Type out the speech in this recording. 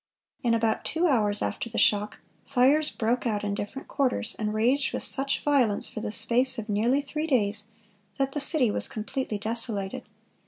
In about two hours after the shock, fires broke out in different quarters, and raged with such violence for the space of nearly three days, that the city was completely desolated.